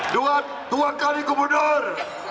dua kali kemudur